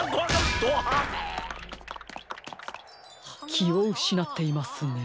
きをうしなっていますね。